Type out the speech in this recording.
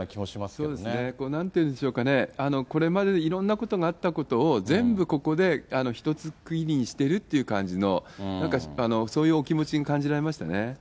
そうですね。なんていうんでしょうかね、これまでいろんなことがあったことを全部ここで一つ区切りにしてるという感じの、なんかそういうお気持ちに感じられましたね。